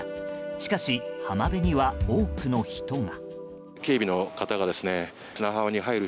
しかし、浜辺には多くの人が。